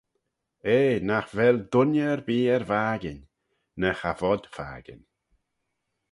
Eh nagh vel dooinney erbee er vakin, ny cha vod fakin.